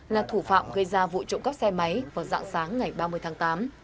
là thủ phạm gây ra vụ trộm cắp xe máy vào dạng sáng ngày ba mươi tháng tám